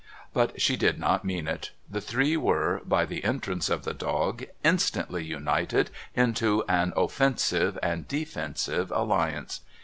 But she did not mean it. The three were, by the entrance of the dog, instantly united into an offensive and defensive alliance.